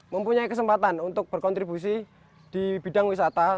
mempunyai kesempatan untuk berkontribusi di bidang wisata